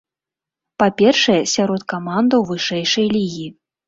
Па-першае, сярод камандаў вышэйшай лігі.